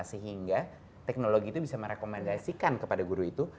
sehingga teknologi itu bisa merekomendasikan kepada guru itu